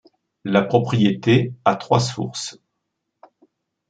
La propriété à trois sources.